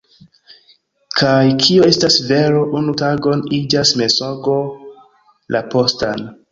Kaj kio estas vero unu tagon iĝas mensogo la postan.